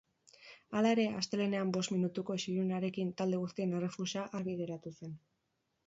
Hala ere, astelehenean bost minutuko isilunearekin talde guztien errefusa argi geratu zen.